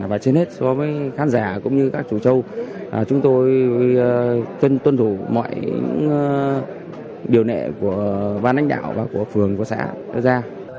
và trên hết so với khán giả cũng như các chủ trâu chúng tôi tuân thủ mọi điều nệ của văn ánh đạo và của phường của xã đất gia